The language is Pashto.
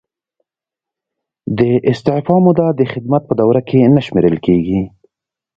د استعفا موده د خدمت په دوره کې نه شمیرل کیږي.